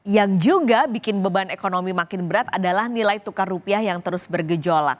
yang juga bikin beban ekonomi makin berat adalah nilai tukar rupiah yang terus bergejolak